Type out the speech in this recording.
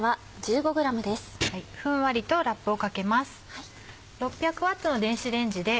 ふんわりとラップをかけます。